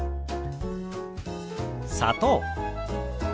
「砂糖」。